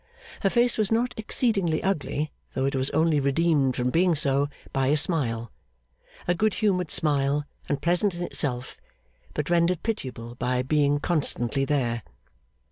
Her face was not exceedingly ugly, though it was only redeemed from being so by a smile; a good humoured smile, and pleasant in itself, but rendered pitiable by being constantly there.